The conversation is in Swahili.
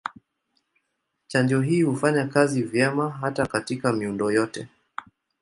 Chanjo hii hufanya kazi vyema hata katika miundo yote.